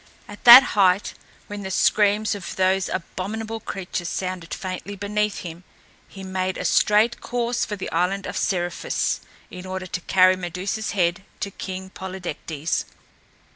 At that height, when the screams of those abominable creatures sounded faintly beneath him, he made a straight course for the island of Seriphus, in order to carry Medusa's head to King Polydectes.